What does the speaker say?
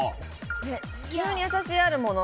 地球にやさしいあるもの。